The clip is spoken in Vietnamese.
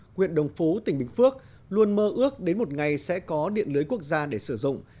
huyện đồng phú tỉnh bình phước luôn mơ ước đến một ngày sẽ có điện lưới quốc gia để sử dụng